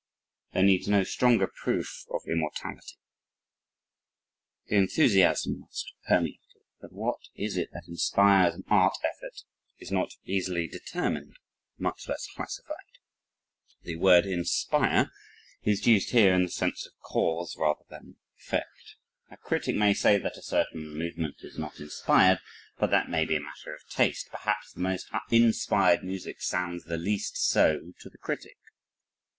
There needs no stronger proof of immortality." Enthusiasm must permeate it, but what it is that inspires an art effort is not easily determined much less classified. The word "inspire" is used here in the sense of cause rather than effect. A critic may say that a certain movement is not inspired. But that may be a matter of taste perhaps the most inspired music sounds the least so to the critic.